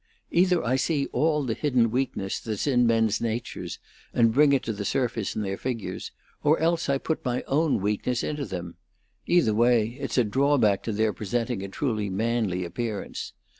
Either I see all the hidden weakness that's in men's natures, and bring it to the surface in their figures, or else I put my own weakness into them. Either way, it's a drawback to their presenting a truly manly appearance.